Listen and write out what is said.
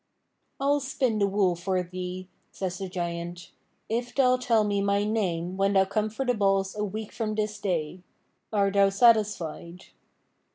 'I'll spin the wool for thee,' says the Giant, 'if thou'll tell me my name when thou come for the balls a week from this day. Are thou satisfied?'